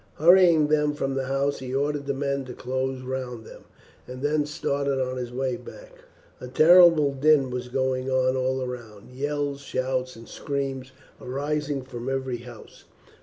Hurrying them from the house he ordered the men to close round them, and then started on his way back. A terrible din was going on all round; yells, shouts, and screams arising from every house.